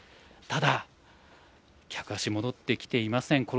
ただ、客足戻ってきていません。